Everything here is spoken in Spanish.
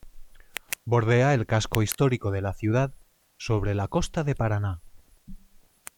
Bordea el casco histórico de la ciudad sobre la costa del Paraná.